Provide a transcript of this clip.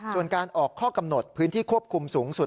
ส่วนการออกข้อกำหนดพื้นที่ควบคุมสูงสุด